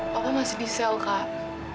pokoknya masih di sel kak